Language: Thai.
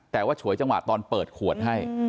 แต่ว่าฉวยจังหวะตอนเปิดขวดให้